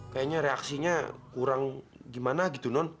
kayaknya reaksinya kurang gimana gitu non